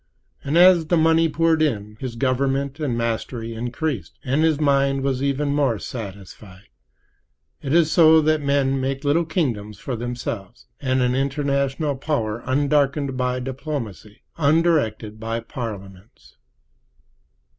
And as the money poured in, his government and mastery increased, and his mind was the more satisfied. It is so that men make little kingdoms for themselves, and an international power undarkened by diplomacy, undirected by parliaments.